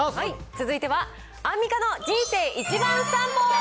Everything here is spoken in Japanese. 続いては、アンミカの人生一番さんぽ。